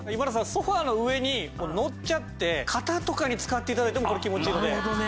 ソファの上に乗っちゃって肩とかに使って頂いてもこれ気持ちいいので。